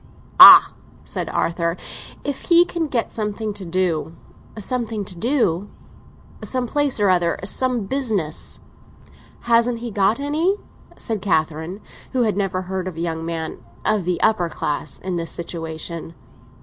"Ah," said Arthur, "if he can get something to do." "Something to do?" "Some place or other; some business." "Hasn't he got any?" said Catherine, who had never heard of a young man—of the upper class—in this situation.